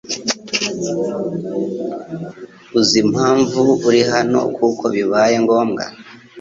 Uzi impamvu uri hano kuko bibaye ngombwa